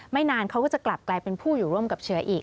นานเขาก็จะกลับกลายเป็นผู้อยู่ร่วมกับเชื้ออีก